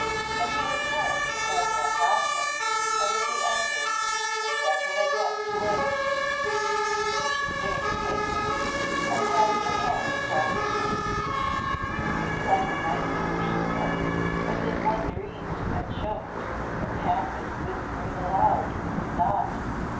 "When he returns and has not found him, I will be angered, and send him again to wait." She stayed her pacing, and passed her hand across her face. "'Tis like a nightmare," she said "as if one dreamed, and choked, and panted, and would scream aloud, but could not.